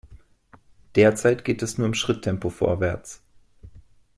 Derzeit geht es nur im Schritttempo vorwärts.